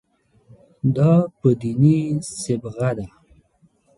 دا په دیني صبغه ده.